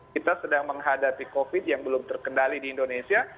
kita sedang menghadapi covid yang belum terkendali di indonesia